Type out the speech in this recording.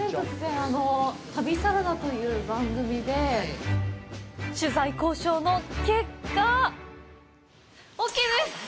あのう、旅サラダという番組で取材交渉の結果ＯＫです！